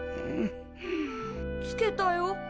つけたよ。